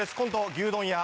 「牛丼屋」。